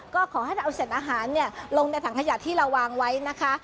ก็ขอให้เราเอาเศษอาหารลงในถังขยะที่เราวางไว้นะคะ